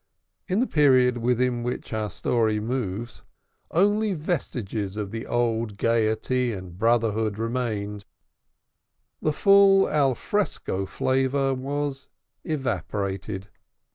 In the period within which our story moves, only vestiges of the old gaiety and brotherhood remained; the full al fresco flavor was evaporated.